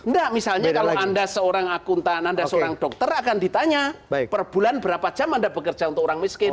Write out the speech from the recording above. enggak misalnya kalau anda seorang akuntan anda seorang dokter akan ditanya per bulan berapa jam anda bekerja untuk orang miskin